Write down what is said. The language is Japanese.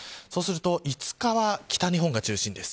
５日は北日本が中心です。